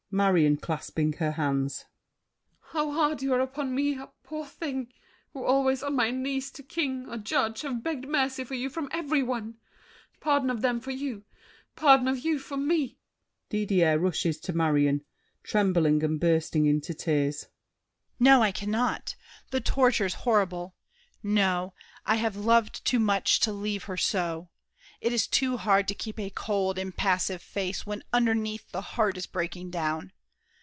MARION (clasping her hands). How hard you are upon me, a poor thing, Who always on my knees to king or judge Have begged mercy for you from every one! Pardon of them for you; pardon of you for me! DIDIER (rushes to Marion, trembling, and bursting into tears). No, I cannot! The torture's horrible! No, I have loved too much to leave her so! It is too hard to keep a cold, impassive face When underneath the heart is breaking down.